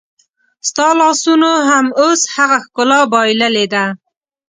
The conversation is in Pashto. ستا لاسونو هم اوس هغه ښکلا بایللې ده